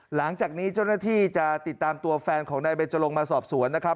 หลังจากนี้เจ้าหน้าที่จะติดตามตัวแฟนของนายเบจรงมาสอบสวนนะครับ